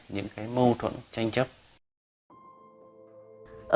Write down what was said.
những mâu thuẫn tranh chấp của nương giẫy